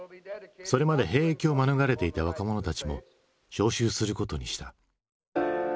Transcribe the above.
それまで兵役を免れていた若者たちも招集することにした。